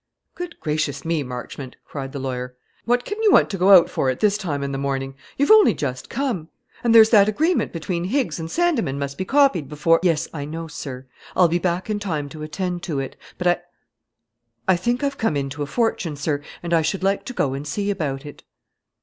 "Good gracious me, Marchmont!" cried the lawyer; "what can you want to go out for at this time in the morning? You've only just come; and there's that agreement between Higgs and Sandyman must be copied before " "Yes, I know, sir. I'll be back in time to attend to it; but I I think I've come into a fortune, sir; and I should like to go and see about it."